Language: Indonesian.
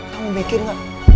kamu mikir gak